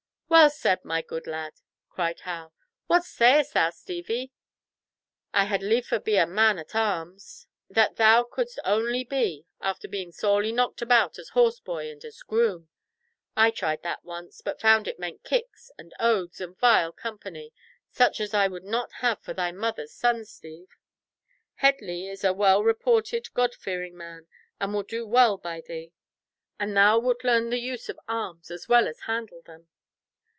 "Well said, my good lad!" cried Hal. "What sayest thou, Stevie?" "I had liefer be a man at arms." "That thou couldst only be after being sorely knocked about as horseboy and as groom. I tried that once, but found it meant kicks, and oaths, and vile company—such as I would not have for thy mother's son, Steve. Headley is a well reported, God fearing man, and will do well by thee. And thou wilt learn the use of arms as well as handle them."